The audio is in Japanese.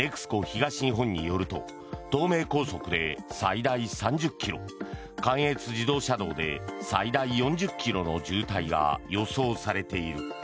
東日本によると東名高速で最大３０ｋｍ関越自動車道で最大４０ｋｍの渋滞が予想されている。